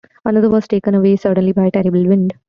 Another was taken away suddenly by a terrible wind.